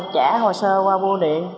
trả hồ sơ qua vua điện